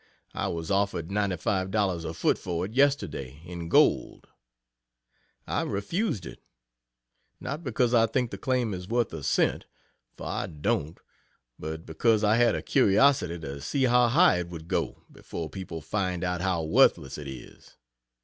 I was offered ninety five dollars a foot for it, yesterday, in gold. I refused it not because I think the claim is worth a cent for I don't but because I had a curiosity to see how high it would go, before people find out how worthless it is.